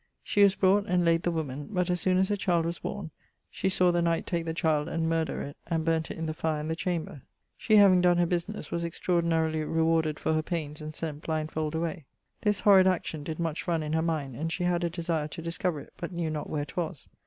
She was brought, and layd the woman, but as soon as the child was borne, she sawe the knight take the child and murther it, and burnt it in the fire in the chamber. She having donne her businesse was extraordinarily rewarded for her paines, and sent blinfold away. This horrid action did much run in her mind, and she had a desire to discover it, but knew not where 'twas.